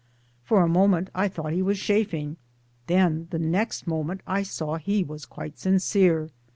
For a moment I thought he was chaffing ; then the next moment I saw he was quite sincere.